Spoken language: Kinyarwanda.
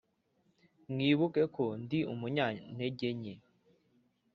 Mwibuke ko ndi umunyantegenye.